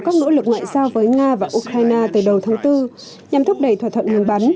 các nỗ lực ngoại giao với nga và ukraine từ đầu tháng bốn nhằm thúc đẩy thỏa thuận ngừng bắn